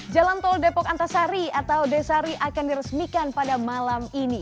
jalan tol depok antasari atau desari akan diresmikan pada malam ini